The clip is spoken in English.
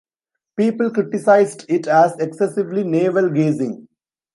"People" criticized it as "excessively navel-gazing".